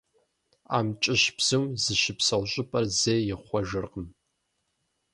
АмкӀыщ бзум зыщыпсэу щӏыпӏэр зэи ихъуэжыркъым.